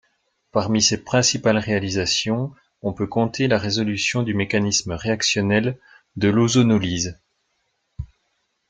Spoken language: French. Parmi ses principales réalisations, on peut compter la résolution du mécanisme réactionnel de l'ozonolyse.